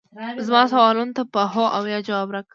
زما سوالونو ته په هو او یا ځواب راکړه